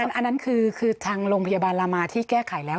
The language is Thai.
อันนั้นคือทางโรงพยาบาลลามาที่แก้ไขแล้ว